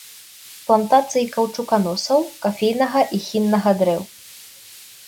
Плантацыі каўчуканосаў, кафейнага і хіннага дрэў.